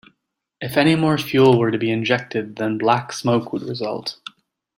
If any more fuel were to be injected then black smoke would result.